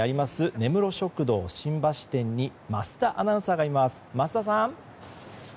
根室食堂新橋店に桝田アナウンサーがいます桝田さん。